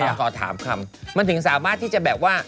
อยากขอถามคำมันถึงสามารถที่จะแบบว่า